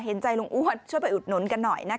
เห็นใจลุงอ้วนช่วยไปอุดหนุนกันหน่อยนะคะ